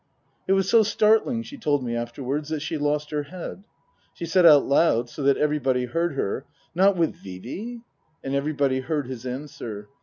It was so startling, she told me afterwards, that she lost her head. She said out loud, so that everybody heard her, " Not with Vee Vee ?" And everybody heard his answer.